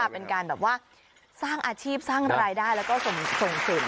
เป็นการแบบว่าสร้างอาชีพสร้างรายได้แล้วก็ส่งเสริม